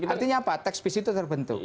artinya apa tax peace itu terbentuk